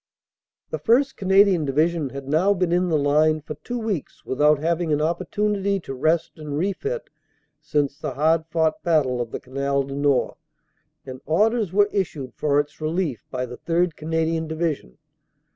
"The 1st. Canadian Division had now been in the line for two weeks without having an opportunity to rest and refit since the hard fought battle of the Canal du Nord, and orders were issued for its relief by the 3rd. Canadian Division.